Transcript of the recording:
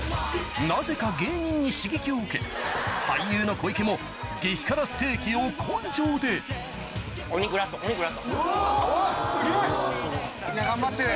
なぜか芸人に刺激を受け俳優の小池も激辛ステーキを根性で・おぉすげぇ！